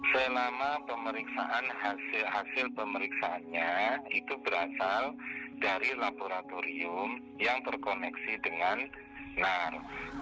selama pemeriksaan hasil pemeriksaannya itu berasal dari laboratorium yang terkoneksi dengan nar